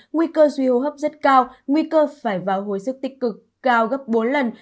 nguy cơ duy hô hấp rất cao nguy cơ phải vào hồi sức tích cực cao gấp bốn lần